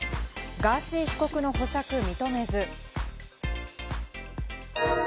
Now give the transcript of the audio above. ガーシー被告の保釈認めず。